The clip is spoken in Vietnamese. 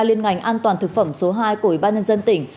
liên ngành an toàn thực phẩm số hai của bà nân dân tỉnh